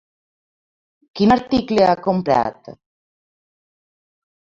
Quin article ha comprat?